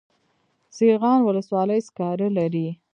سیغان ولسوالۍ سکاره لري؟